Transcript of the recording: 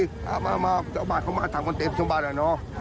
เจ้าบ้านเข้ามาทำกันเต็มเจ้าบ้านแหละเนอะ